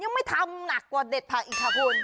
ไม่ทำหนักกว่าเด็ดผักอีกค่ะคุณ